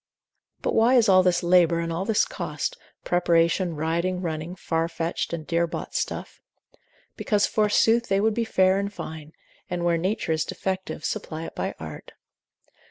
But why is all this labour, all this cost, preparation, riding, running, far fetched, and dear bought stuff? Because forsooth they would be fair and fine, and where nature, is defective, supply it by art.